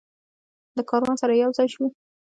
له کاروان سره یوځای شو.